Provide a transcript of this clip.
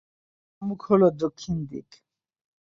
যার সম্মুখ হলো দক্ষিণ দিক।